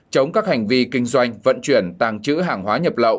chống các hành vi kinh doanh vận chuyển tàng trữ hàng hóa nhập lậu